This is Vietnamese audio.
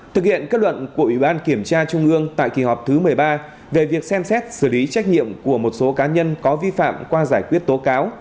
thực hiện kết luận của ủy ban kiểm tra trung ương tại kỳ họp thứ một mươi ba về việc xem xét xử lý trách nhiệm của một số cá nhân có vi phạm qua giải quyết tố cáo